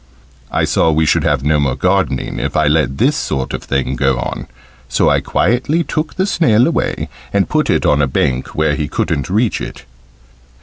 I saw we should have no more gardening if I let this sort of thing go on, so I quietly took the snail away, and put it on a bank where he couldn't reach it.